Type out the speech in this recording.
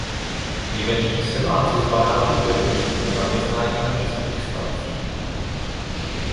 Němečtí sedláci z Banátu byli postupně zaměstnáni na českých statcích.